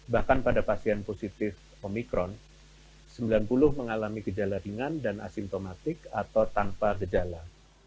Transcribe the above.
bahkan pada pasien positif omikron sembilan puluh mengalami gejala ringan dan asimptomatik atau tanpa gejala